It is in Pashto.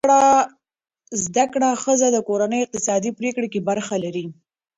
زده کړه ښځه د کورنۍ اقتصادي پریکړې کې برخه لري.